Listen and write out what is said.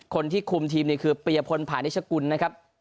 คนที่คุมทีมนี่คือเปียพลผ่านิชกุลนะครับ